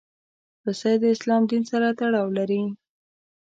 پسه د اسلام دین سره تړاو لري.